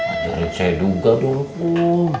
ajarin saya juga dong kum